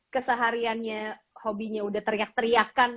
kesehariannya hobinya udah teriak teriakan